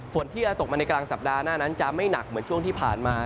ฝนที่จะตกมาในกลางสัปดาห์หน้านั้นจะไม่หนักเหมือนช่วงที่ผ่านมา